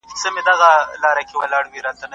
د بلوڅي او سندي ژبو لپاره هم دا یو ښه فرصت دی.